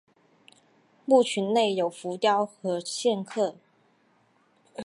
墓群内有浮雕和线刻。